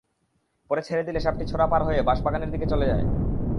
পরে ছেড়ে দিলে সাপটি ছড়া পার হয়ে বাঁশবাগানের দিকে চলে যায়।